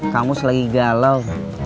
kamus lagi galau